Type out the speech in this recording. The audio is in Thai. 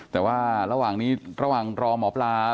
แต่ว่าระหว่างนี้ระหว่างรอหมอปลา